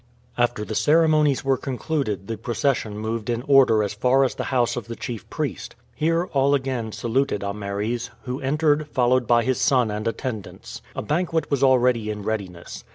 After the ceremonies were concluded the procession moved in order as far as the house of the chief priest. Here all again saluted Ameres, who entered, followed by his son and attendants. A banquet was already in readiness.